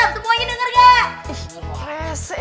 semuanya denger gak